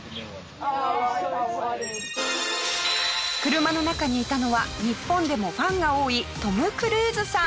車の中にいたのは日本でもファンが多いトム・クルーズさん。